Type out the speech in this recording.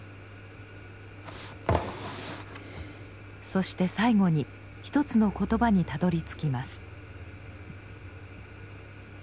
そして最後に一つの言葉にたどりつきます。